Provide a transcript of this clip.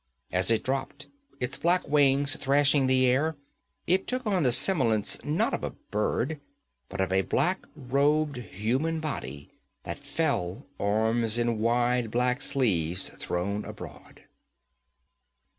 As it dropped, its black wings thrashing the air, it took on the semblance, not of a bird, but of a black robed human body that fell, arms in wide black sleeves thrown abroad.